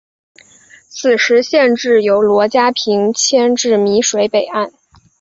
此时县治由罗家坪迁至洣水北岸。